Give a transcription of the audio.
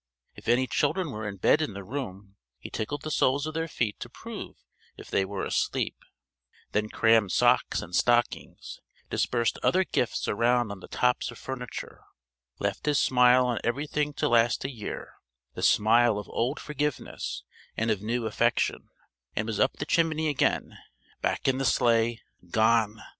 If any children were in bed in the room, he tickled the soles of their feet to prove if they were asleep; then crammed socks and stockings; dispersed other gifts around on the tops of furniture; left his smile on everything to last a year the smile of old forgiveness and of new affection and was up the chimney again back in the Sleigh gone!